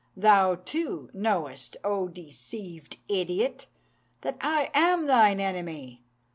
Thou, too, knowest, O deceived idiot! that I am thine enemy.